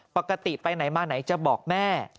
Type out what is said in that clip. ปกติไปไหนมาไหนจะบอกแม่